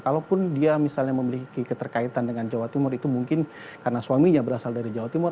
kalaupun dia misalnya memiliki keterkaitan dengan jawa timur itu mungkin karena suaminya berasal dari jawa timur